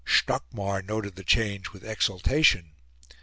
Stockmar noted the change with exultation.